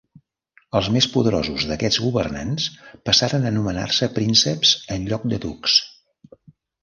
Els més poderosos d'aquests governants passaren a anomenar-se prínceps en lloc de ducs.